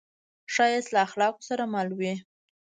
ښایست له اخلاقو سره مل وي